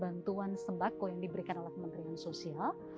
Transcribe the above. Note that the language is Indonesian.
bantuan sembako yang diberikan oleh kementerian sosial